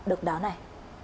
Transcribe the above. được đó này